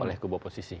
oleh kubu oposisi